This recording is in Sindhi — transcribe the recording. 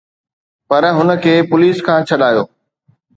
پر هن کي پوليس کان ڇڏايو